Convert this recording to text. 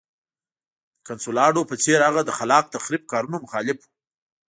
د کنسولاډو په څېر هغه د خلاق تخریب کارونو مخالف و.